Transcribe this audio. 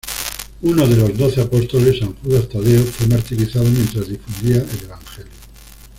Uno de los doce apóstoles, San Judas Tadeo fue martirizado mientras difundía el evangelio.